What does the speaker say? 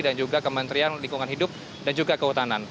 dan juga kementerian lingkungan hidup dan juga kehutanan